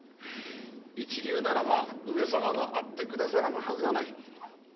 一流ならば上様が会ってくださらぬはずがない。